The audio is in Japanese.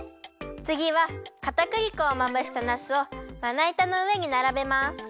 つぎはかたくり粉をまぶしたなすをまないたのうえにならべます。